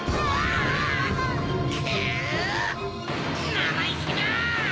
なまいきな！